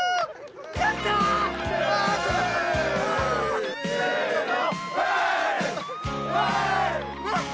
やった！せの。